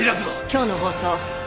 今日の放送